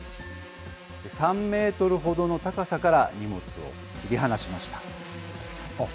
３メートルほどの高さから荷物を切り離しました。